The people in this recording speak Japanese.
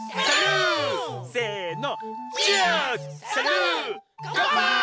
せの！